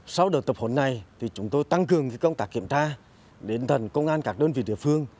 sau đợt tập huấn này chúng tôi tăng cường công tác kiểm tra đến thần công an các đơn vị địa phương